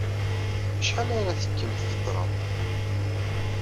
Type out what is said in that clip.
Acḥal ara tekkem tfeṭṭrem?